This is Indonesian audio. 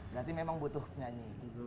berarti memang butuh penyanyi